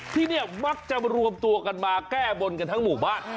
ที่นี่มักจะรวมตัวกันมาแก้บนกันทั้งหมู่บ้าน